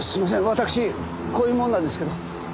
わたくしこういう者なんですけど。